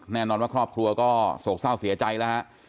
แน่นอนว่าครอบครัวก็โศกเศร้าเสียใจแล้วฮะ